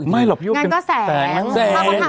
ไม่หรอกนั่นก็แสง